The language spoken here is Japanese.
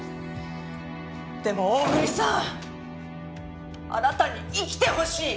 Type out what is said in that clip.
でも大國さんあなたに生きてほしい！